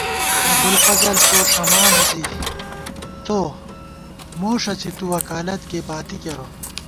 ابُوالفضل تو ݭَمان زِی څو، موݭَڅی تو وکالت کېئی باتی کېرہ